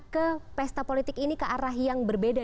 ke pesta politik ini ke arah yang berbeda